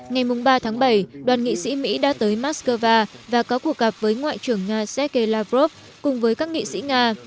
ngày ba tháng bảy đoàn nghị sĩ mỹ đã tới moscow và có cuộc gặp với ngoại trưởng nga sergei lavrov cùng với các nghị sĩ nga